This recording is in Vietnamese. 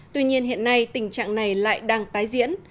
tuy nhiên hiện nay tình trạng này lại đang tái diễn